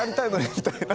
みたいな。